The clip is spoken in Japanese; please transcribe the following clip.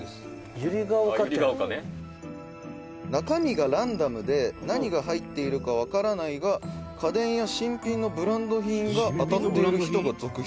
二階堂：「中身がランダムで何が入っているかわからないが家電や新品のブランド品が当たっている人が続出」